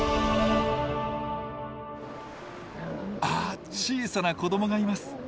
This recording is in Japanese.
あ小さな子どもがいます。